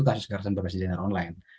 kasus kekerasan berbasis jenis online